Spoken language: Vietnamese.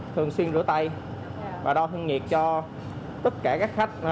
thường xuyên rửa tay và đo thân nhiệt cho tất cả các khách